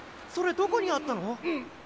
それどこにあったの？